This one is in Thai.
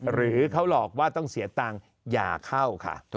หรือเขาหลอกว่าต้องเสียตังค์อย่าเข้าค่ะ